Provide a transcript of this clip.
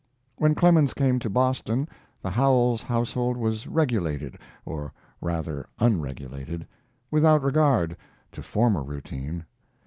When Clemens came to Boston the Howells household was regulated, or rather unregulated, without regard to former routine.